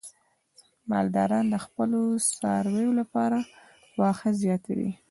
مالداران د خپلو څارویو لپاره واښه راټولوي.